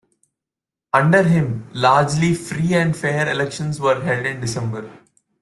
Under him largely free and fair elections were held in December.